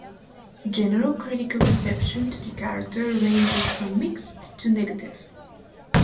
General critical reception to the character ranges from mixed to negative.